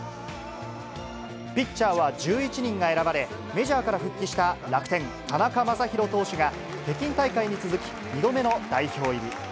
ピッチャーは１１人が選ばれ、メジャーから復帰した楽天、田中将大投手が北京大会に続き、２度目の代表入り。